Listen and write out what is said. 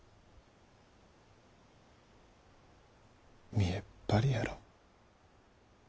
見えっ張りやろ。